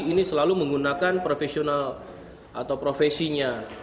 ini selalu menggunakan profesional atau profesinya